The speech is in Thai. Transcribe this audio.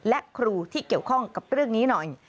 และครูที่เกี่ยวข้องกับเรื่องนี้หน่อย